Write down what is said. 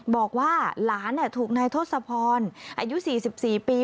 บอกว่าหลานถูกนายทศพรอายุ๔๔ปี